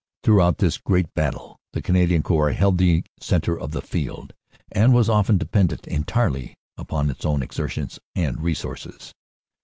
Throughout this great battle the Canadian Corps held the centre of the field, and was often dependent eh ti rely upon its own exertions and resources.